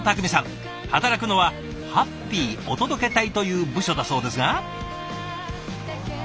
働くのはハッピーお届け隊という部署だそうですが。